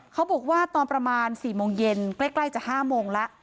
เขาบอกว่าตอนประมาณ๔โมงเย็นใกล้จะ๕โมงแล้ว